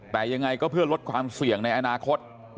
แต่ยังไงก็เพื่อลดความเสี่ยงในอนาคต